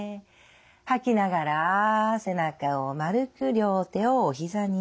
吐きながら背中を丸く両手をおひざに。